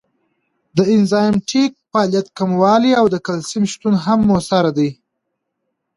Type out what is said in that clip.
د انزایمټیک فعالیت کموالی او د کلسیم شتون هم مؤثر دی.